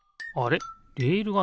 レールがない。